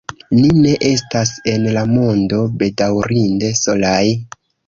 Ni ne estas en la mondo bedaŭrinde solaj!